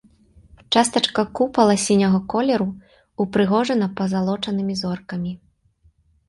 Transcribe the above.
Частачка купала сіняга колеру, упрыгожана пазалочанымі зоркамі.